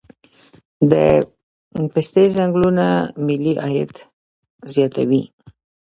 د پستې ځنګلونه ملي عاید زیاتوي